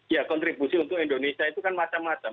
ya kontribusi untuk indonesia itu kan macam macam